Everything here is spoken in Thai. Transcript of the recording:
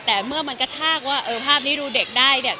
แต่เมื่อมันกระชากว่าเออภาพนี้ดูเด็กได้เนี่ย